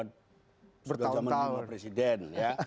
sudah zaman dulu pak presiden